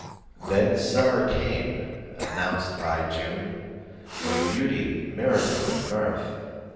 Then summer came, announced by June, With beauty, miracle and mirth.